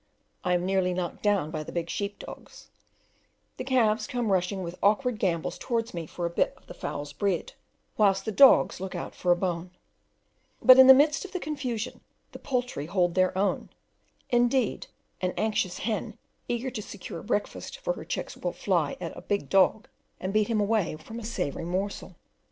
I am nearly knocked down by the big sheep dogs; the calves come rushing with awkward gambols towards me for a bit of the fowls' bread, whilst the dogs look out for a bone; but, in the midst of the confusion, the poultry hold their own; indeed, an anxious hen eager to secure a breakfast for her chicks will fly at a big dog, and beat him away from a savoury morsel.